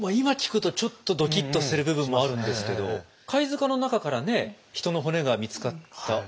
今聞くとちょっとドキッとする部分もあるんですけど貝塚の中からね人の骨が見つかった。